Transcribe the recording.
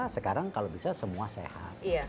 sekarang kalau bisa semua sehat